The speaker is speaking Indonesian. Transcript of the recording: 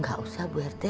gak usah bu rt